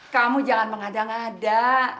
kamu jangan mengada ngada